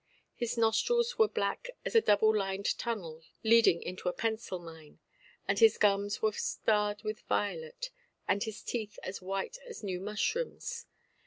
His nostrils were black as a double–lined tunnel leading into a pencil–mine; and his gums were starred with violet, and his teeth as white as new mushrooms.